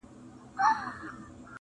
چا حاصلي مرتبې کړې چاته نوم د سړي پاته,